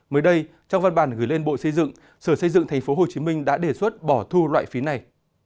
mới đây trong văn bản gửi lên bộ xây dựng sở xây dựng tp hcm đã đề xuất bỏ thu loại phí này